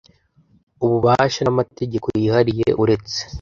Ububasha n amategeko yihariye uretse